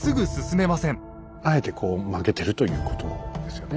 あえてこう曲げてるということですよね